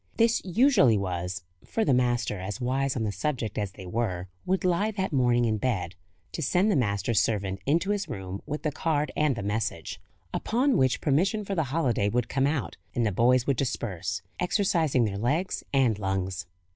This usually was (for the master, as wise on the subject as they were, would lie that morning in bed) to send the master's servant into his room with the card and the message; upon which permission for the holiday would come out, and the boys would disperse, exercising their legs and lungs.